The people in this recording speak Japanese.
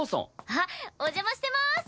あっお邪魔してまーす。